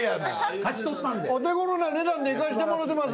お手頃な値段でいかしてもろてます。